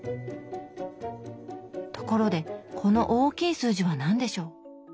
ところでこの大きい数字は何でしょう？